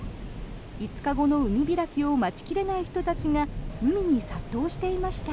５日後の海開きを待ち切れない人たちが海に殺到していました。